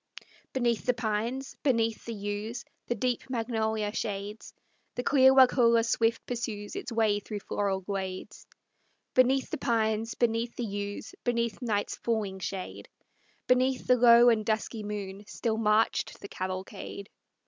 Beneath the pines, beneath the yews, the deep magnolia shades, The clear Waukulla swift pursues its way through floral glades; Beneath the pines, beneath the yews, beneath night's falling shade, Beneath the low and dusky moon still marched the cavalcade.